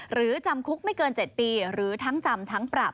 หรือจำคุกไม่เกิน๗ปีหรือทั้งจำทั้งปรับ